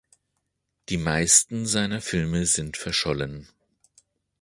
Die meisten seiner Filme sind verschollen.